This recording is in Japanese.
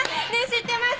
知ってます？